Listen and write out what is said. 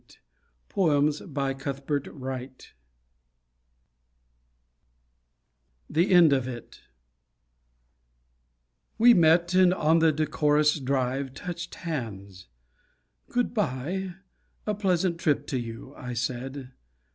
CUTHBERT WRIGHT THE END OF IT We met, and on the decorous drive touched hands, "Good bye; a pleasant trip to you," I said.